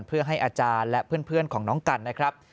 เพื่อให้อาจารย์และเพื่อนของน้องกันนะครับ